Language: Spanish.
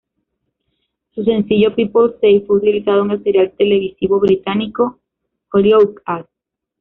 Su sencillo "People Say" fue utilizado en el serial televisivo británico "Hollyoaks".